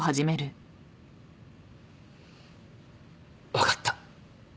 分かった。